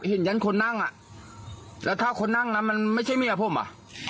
เห็นยันคนนั่งอ่ะแล้วถ้าคนนั่งนะมันไม่ใช่เมียผมอ่ะ